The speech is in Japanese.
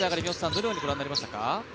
どのようにご覧になりましたか。